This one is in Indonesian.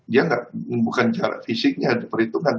dia bukan jarak fisiknya berhitungan